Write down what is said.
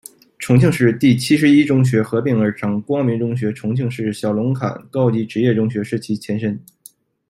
重庆市第七十一中学合并而成，光明中学、重庆市小龙坎高级职业中学是其前身。